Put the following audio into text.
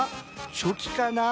チョキかな？